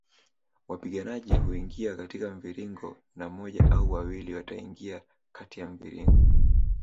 Wapiganaji huingia katika mviringo na moja au wawili wataingia kati ya mviringo